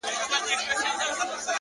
علم د ذهن ظرفیت پراخوي،